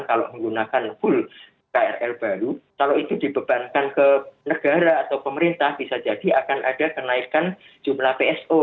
kalau menggunakan full krl baru kalau itu dibebankan ke negara atau pemerintah bisa jadi akan ada kenaikan jumlah pso